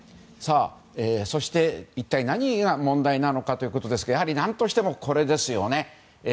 そして一体何が問題なのかですがやはり何としてもこれですよね。